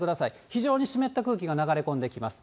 非常に湿った空気が流れ込んできます。